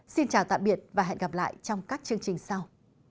xin chào tạm biệt và hẹn gặp lại trong các chương trình sau